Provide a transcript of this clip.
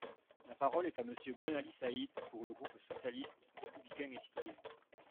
La parole est à Monsieur Boinali Said, pour le groupe socialiste, républicain et citoyen.